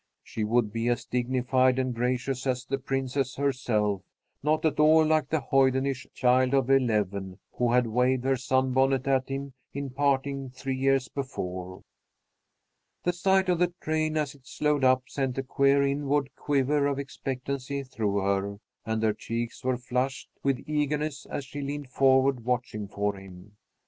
She would be as dignified and gracious as the Princess herself; not at all like the hoydenish child of eleven who had waved her sunbonnet at him in parting three years before. The sight of the train as it slowed up sent a queer inward quiver of expectancy through her, and her cheeks were flushed with eagerness as she leaned forward watching for him.